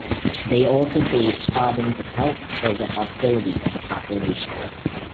They also faced problems of health or the hostility of the population.